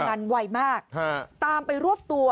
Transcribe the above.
กลุ่มหนึ่งก็คือ